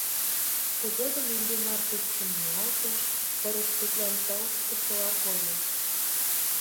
Тыгодым Иллимар тупшым ниялтыш, пырыс тудлан тауштышыла койо.